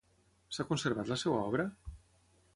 S'ha conservat la seva obra?